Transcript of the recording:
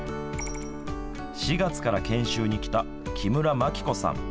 ４月から研修に来た木村真紀子さん